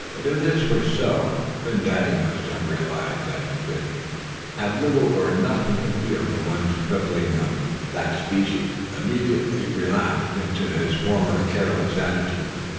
But if this were so, Phin Dady must have realized that he could have little or nothing to fear from one stripling of that species; for he immediately relapsed into his former careless attitude.